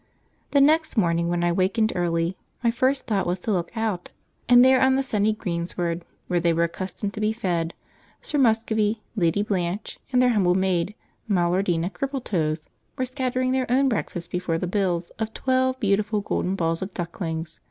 The next morning, when I wakened early, my first thought was to look out, and there on the sunny greensward where they were accustomed to be fed, Sir Muscovy, Lady Blanche, and their humble maid, Malardina Crippletoes, were scattering their own breakfast before the bills of twelve beautiful golden balls of ducklings.